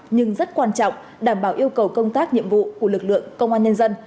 nhưng rất quan trọng đảm bảo yêu cầu công tác nhiệm vụ của lực lượng công an nhân dân